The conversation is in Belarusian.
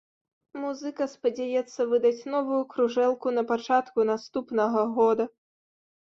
Музыка спадзяецца выдаць новую кружэлку на пачатку наступнага года.